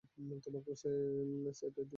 তোমাকেও সেটাই দিয়েছি, স্প্রাইট।